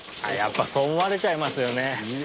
やっぱそう思われちゃいますよね。